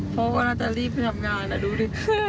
พ่อก็น่าจะรีบไปทำงานนะดูดิ